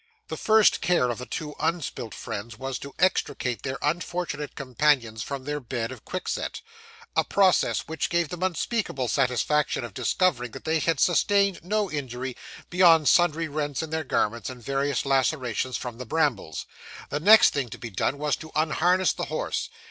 The first care of the two unspilt friends was to extricate their unfortunate companions from their bed of quickset a process which gave them the unspeakable satisfaction of discovering that they had sustained no injury, beyond sundry rents in their garments, and various lacerations from the brambles. The next thing to be done was to unharness the horse.